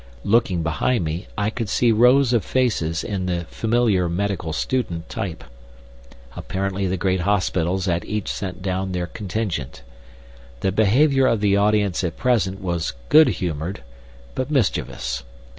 Looking behind me, I could see rows of faces of the familiar medical student type. Apparently the great hospitals had each sent down their contingent. The behavior of the audience at present was good humored, but mischievous.